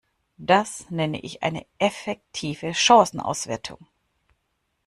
Das nenne ich eine effektive Chancenauswertung!